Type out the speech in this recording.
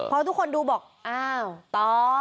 พอทุกคนดูบอกอ้าวต่อ